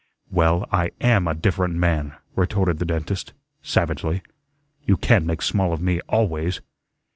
"Well, I AM a different man," retorted the dentist, savagely. "You can't make small of me ALWAYS."